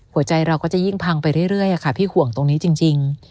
เราก็จะยิ่งพังไปเรื่อยค่ะพี่ห่วงตรงนี้จริง